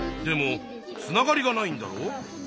でもつながりがないんだろ？